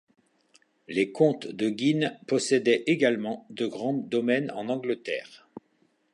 Les comtes de Guînes possédaient également de grands domaines en Angleterre.